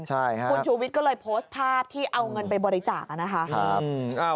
คุณชูวิทย์ก็เลยโพสต์ภาพที่เอาเงินไปบริจาคนะคะ